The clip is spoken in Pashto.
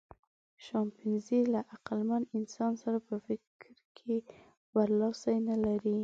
شامپانزي له عقلمن انسان سره په فکر کې برلاسی نهلري.